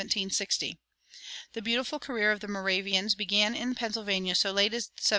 [121:1] The beautiful career of the Moravians began in Pennsylvania so late as 1734.